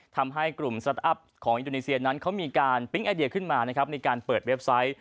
ทำให้กลุ่มซัดอัพของอินโดนีเซียนั้นเขามีการปิ๊งไอเดียขึ้นมานะครับในการเปิดเว็บไซต์